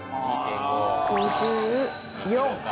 ５４。